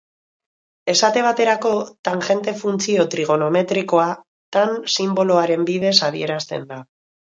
Esate baterako, tangente funtzio trigonometrikoa tan sinboloaren bidez adierazten da.